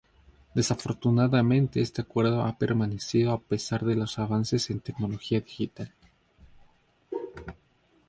Desafortunadamente, este acuerdo ha permanecido a pesar de los avances en tecnología digital.